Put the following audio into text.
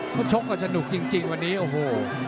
เขาชกก็สนุกจริงวันนี้โอ้โห